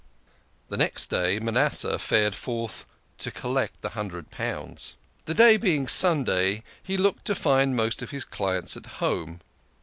The next day, Manasseh fared forth to collect the hundred pounds ! The day being Sunday, he looked to find most of his clients at home.